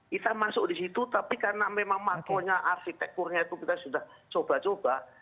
kita masuk di situ tapi karena memang makronya arsitekturnya itu kita sudah coba coba